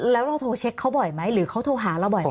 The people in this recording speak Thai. แล้วเราโทรเช็คเขาบ่อยไหมหรือเขาโทรหาเราบ่อยไหม